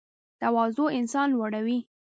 تواضع انسان لوړوي